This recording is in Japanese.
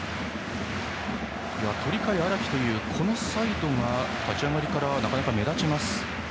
鳥海、荒木というサイドが立ち上がりからなかなか目立ちます。